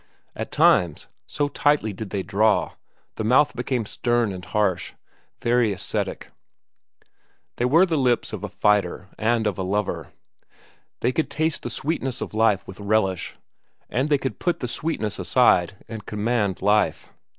At times, so tightly did they draw, the mouth became stern and harsh, even ascetic. They were the lips of a fighter and of a lover. They could taste the sweetness of life with relish, and they could put the sweetness aside and command life.